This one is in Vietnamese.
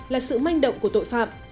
là sự manh động của tội phạm